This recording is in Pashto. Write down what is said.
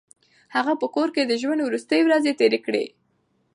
هغه په کور کې د ژوند وروستۍ ورځې تېرې کړې.